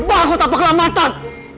udah bangkotan perkelamatan